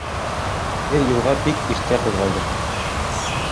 Беҙ юлға бик иртә ҡуҙғалдыҡ.